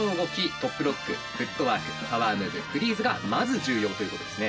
トップロックフットワークパワームーブフリーズがまず重要ということですね。